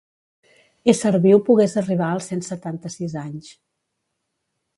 Ésser viu pogués arribar als cent setanta-sis anys.